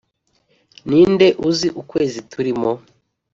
ninde uzi ukwezi turimo